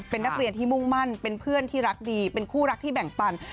เป็นนักเรียนที่มุ่งมั่นเป็นเพื่อนที่รักดีเป็นคู่รักที่แบ่งปัน